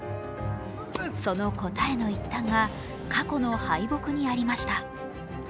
その答えの一端が過去の敗北にありました。